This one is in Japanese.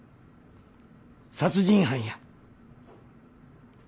殺人犯や。